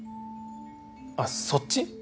あっそっち？